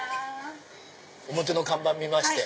表の看板見まして。